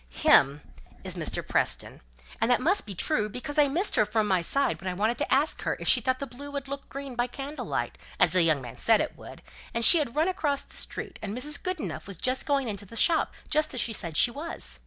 "Him is Mr. Preston. And that must be true; because I missed her from my side when I wanted to ask her if she thought blue would look green by candlelight, as the young man said it would, and she had run across the street, and Mrs. Goodenough was just going into the shop, just as she said she was."